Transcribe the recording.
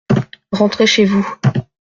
Rentrez chez vous.